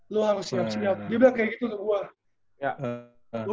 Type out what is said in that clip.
lo harus siap siap dia bilang kayak gitu ke gue